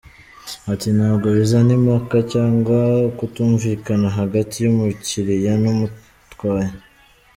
Ati “Ntabwo bizana impaka cyangwa ukutumvikana hagati y’umukiriya n’umutwaye.